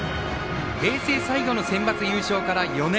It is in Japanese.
平成最後のセンバツ優勝から４年。